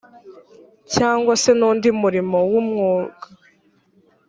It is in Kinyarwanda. cyangwa se n’undi murimo w’umwuga